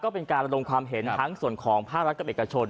เป็นการลงความเห็นทั้งส่วนของภาครัฐกับเอกชน